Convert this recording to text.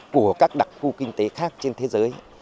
các đặc khu kinh tế khác trên thế giới